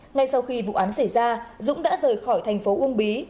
ngay sau khi vụ án xảy ra dũng đã rời khỏi thành phố uông bí